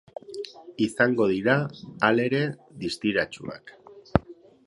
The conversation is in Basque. Izango dira, halere, distiratsuak.